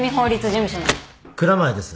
蔵前です。